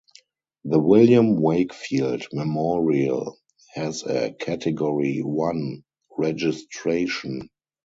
The William Wakefield Memorial has a Category One registration.